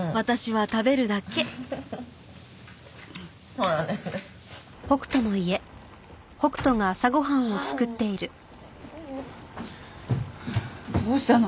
ああどうしたの？